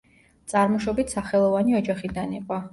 წარმოშობით სახელოვანი ოჯახიდან იყო.